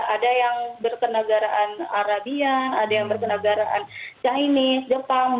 ada yang berkenegaraan arabian ada yang berkenagaraan chinese jepang